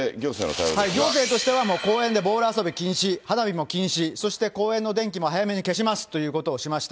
行政としては公園でボール遊び禁止、花火も禁止、そして公園の電気を早めに消しますということをしました。